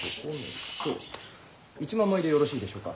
１万枚でよろしいでしょうか。